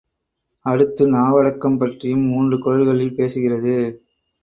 அடுத்து நாவடக்கம் பற்றியும் மூன்று குறள்களில் பேசுகிறது.